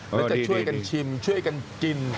แล้วจะช่วยกันชิมช่วยกันกิน